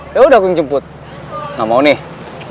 yaudah aku yang jemput gak mau nih